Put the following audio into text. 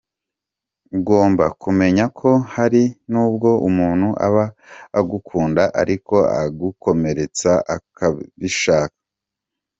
Ugomba kumenya ko hari n’ubwo umuntu aba agukunda ariko akagukomeretsa atabishaka.